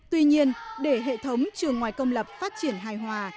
tuy nhiên để hệ thống trường ngoài công lập phát triển hài hòa